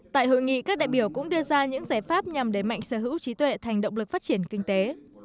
tại hội nghị các đại biểu cũng đưa ra những giải pháp nhằm đẩy mạnh sở hữu trí tuệ thành động lực phát triển kinh tế